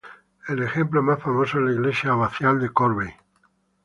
El ejemplo más famoso es la iglesia abacial de Corvey.